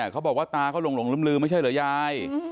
เขาบอกว่าตาเขาหลงลืมไม่ใช่เหรอยาย